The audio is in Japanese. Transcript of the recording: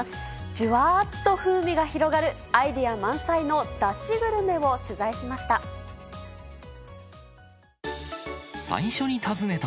じゅわーっと風味が広がるアイデア満載のだしグルメを取材しました。